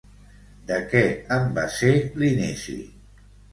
De què en va ser l'inici?